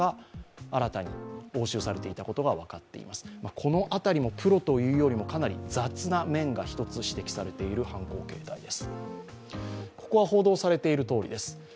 このあたりもプロというより雑な面が指摘されている犯行形態です。